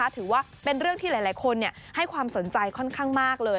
ถือว่าเป็นเรื่องที่หลายคนให้ความสนใจค่อนข้างมากเลย